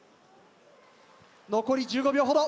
残り１５秒ほど。